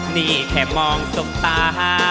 นี่แค่มองโซมตา